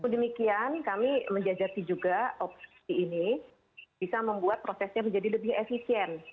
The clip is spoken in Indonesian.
demikian kami menjajaki juga opsi ini bisa membuat prosesnya menjadi lebih efisien